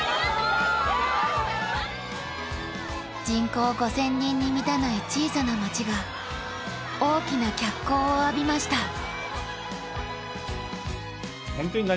人口５０００人に満たない小さな町が大きな脚光を浴びました。